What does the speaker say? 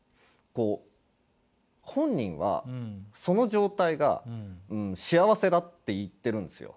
こう本人はその状態が幸せだって言ってるんですよ。